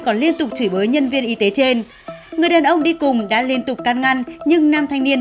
còn liên tục chửi bới nhân viên y tế trên người đàn ông đi cùng đã liên tục can ngăn nhưng nam thanh niên